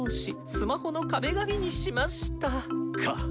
ス魔ホの壁紙にしました！」か。